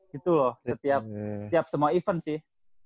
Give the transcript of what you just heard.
gitu loh setiap semua event sih